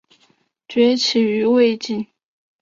崛起于魏晋。